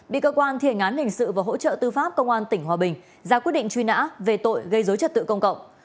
bị cơ quan thi hành án hình sự và hỗ trợ tư pháp công an tỉnh hòa bình ra quyết định truy nã về tội gây dối trật tự công cộng